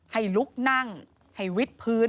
ให้ลุกนั่งให้วิดพื้น